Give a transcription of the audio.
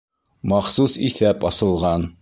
Махсус иҫәп асылған